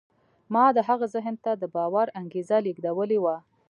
ما د هغه ذهن ته د باور انګېزه لېږدولې وه.